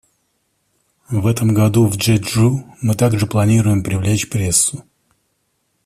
В этом году в Чжечжу мы также планируем привлечь прессу.